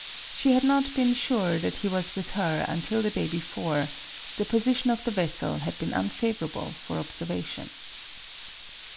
She had not been sure that he was with her until the day before; the position of the vessel had been unfavorable for observation.